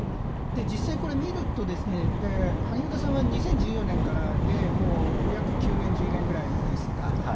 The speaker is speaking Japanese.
実際にこれ見ると萩生田さんは２０１４年からで約９年、１０年くらいですか。